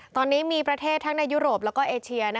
ตอนนี้มีประเทศทั้งในยุโรปแล้วก็เอเชีย